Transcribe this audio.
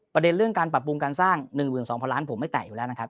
ประเด็นเรื่องการปรับปรุงการสร้าง๑๒๐๐ล้านผมไม่แตะอยู่แล้วนะครับ